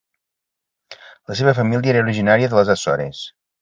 La seva família era originària de les Açores.